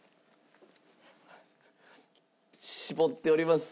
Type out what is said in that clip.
絞っております。